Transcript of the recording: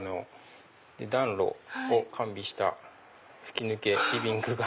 暖炉を完備した吹き抜けリビングが。